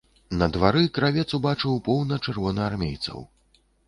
На двары кравец убачыў поўна чырвонаармейцаў.